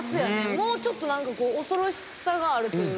もうちょっと何かこう恐ろしさがあるというか。